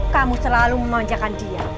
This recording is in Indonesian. kamu selalu memanjakan dia